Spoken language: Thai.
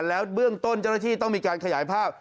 แล้วเบื้องต้นเจ้าหน้าที่ต้องมีการขยายภาพ